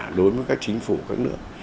thì kể cả đối với các chính phủ các nước